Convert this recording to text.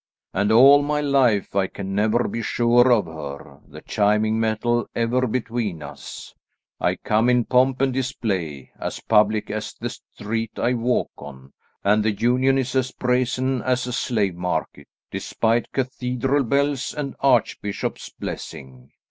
And all my life I can never be sure of her; the chiming metal ever between us. I come in pomp and display, as public as the street I walk on, and the union is as brazen as a slave market, despite cathedral bells and archbishop's blessing.